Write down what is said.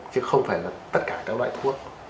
chứ không phải là tất cả các loại thuốc